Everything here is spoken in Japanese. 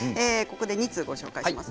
２通ご紹介します。